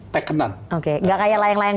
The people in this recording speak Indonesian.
tekenan oke gak kayak layang layang